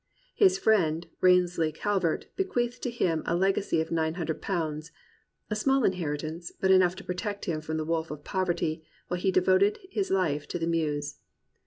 His friend Raisley Calvert bequeathed to him a legacy of nine hundred pounds; a small inheritance, but enough to protect him from the wolf of poverty, while he devoted his hfe to the muse.